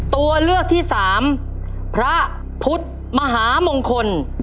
ตัวเลือกที่สามพระพุทธมหามงคล